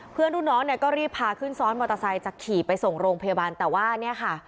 เพื่อนรุ่นน้อยก็รีบพาคึ้นซ้อนมอเตอร์ไซด์กลับส่งมาที่โรงพยาบาลแต่ว่าเนี้ยค่ะ